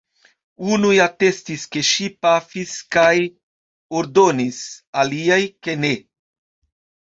Unuj atestis, ke ŝi pafis kaj ordonis, aliaj, ke ne.